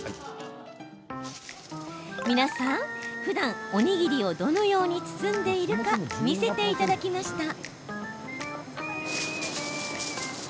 皆さん、ふだんおにぎりをどのように包んでいるか見せていただきました。